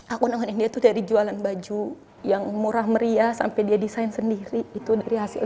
aku dengan india itu dari jualan baju yang murah meriah sampai dia desain sendiri itu dari hasil